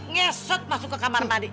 ngesot masuk ke kamar mandi